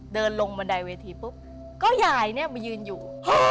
เดินลงบันไดเวทีปุ๊บก็ยายเนี่ยมายืนอยู่